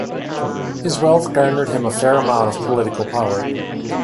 His wealth garnered him a fair amount of political power.